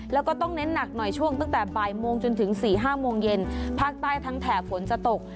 แล้วก็ต้องเน้นหนักหน่อยช่วงตั้งแต่บ่ายโมงจนถึงสี่ห้าโมงเย็นภาคใต้ทั้งแถบฝนจะตก